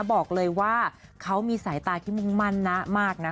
บอกเลยว่าเขามีสายตาที่มุ่งมั่นนะมากนะ